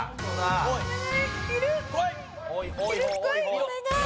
お願い。